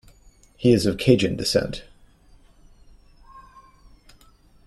He is of Cajun descent.